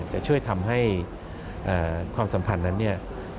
จะช่วยทำให้ความสัมพันธ์นั้นอยู่บนพื้นฐานของความไว้วางใจ